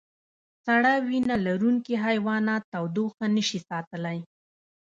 سړه وینه لرونکي حیوانات تودوخه نشي ساتلی